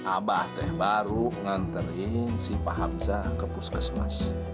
abah ateh baru nganterin si pak hamzah ke puskesmas